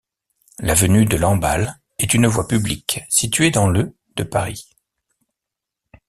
L'avenue de Lamballe est une voie publique située dans le de Paris.